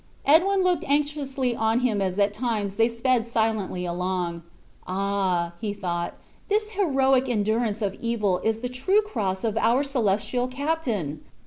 Edwin looked anxiously on him as at times they sped silently along: "Ah!" thought he, "this heroic endurance of evil is the true cross of our celestial Captain!